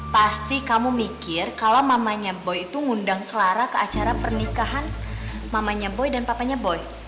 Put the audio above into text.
pasti kamu mikir kalau mamanya boy itu ngundang clara ke acara pernikahan mamanya boy dan papanya boy